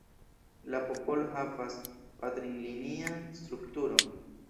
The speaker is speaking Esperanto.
La popolo havas patrinlinian strukturon.